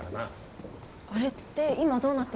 あれって今どうなってるんですか？